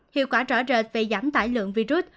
hiệu quả rõ rệt về giảm tải lượng virus